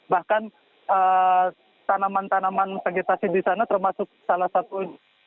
bahkan tanaman tanaman vegetasi di sana termasuk salah satu